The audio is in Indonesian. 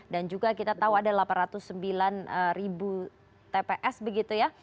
dan juga kita tahu ada delapan ratus sembilan tps begitu ya